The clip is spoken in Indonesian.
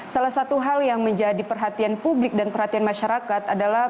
salah satu hal yang menjadi perhatian publik dan perhatian masyarakat adalah